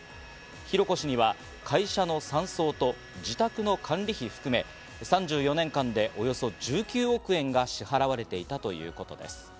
浩子氏には会社の山荘と自宅の管理費含め、３４年間でおよそ１９億円が支払われていたということです。